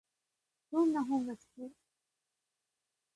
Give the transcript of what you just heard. どんな本が好き？